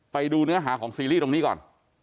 ไปดูเนื้อหาของซีรีส์ตรงนี้ก่อน